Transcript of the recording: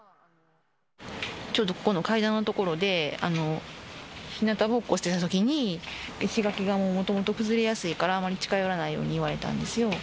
ちょっとここの階段の所で、ひなたぼっこしてたときに、石垣がもともと崩れやすいから、あまり近寄らないように言われたんですよ。